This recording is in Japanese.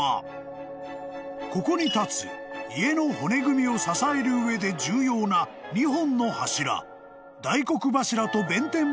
［ここに立つ家の骨組みを支える上で重要な２本の柱大黒柱と弁天柱でも夜中に］